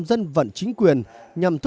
nó là lịch sử